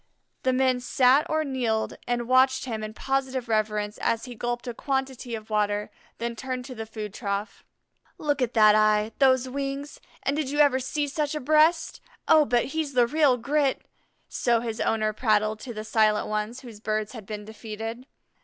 The men sat or kneeled and watched him in positive reverence as he gulped a quantity of water, then turned to the food trough. "Look at that eye, those wings, and did you ever see such a breast? Oh, but he's the real grit!" so his owner prattled to the silent ones whose birds had been defeated.